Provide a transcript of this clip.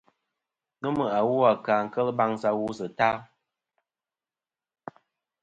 Nomɨ awu a ka kel baŋsɨ awu sɨ tayn.